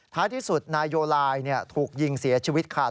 ที่สุดนายโยลายถูกยิงเสียชีวิตขาด